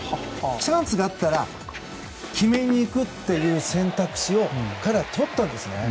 チャンスがあったら決めにいくっていう選択肢を彼は取ったんですね。